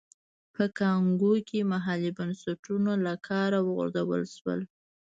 په کانګو کې محلي بنسټونه له کاره وغورځول شول.